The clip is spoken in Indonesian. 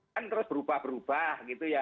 kan terus berubah berubah gitu ya